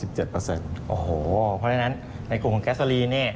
โอ้โหเพราะฉะนั้นในกลุ่มแกสโซลี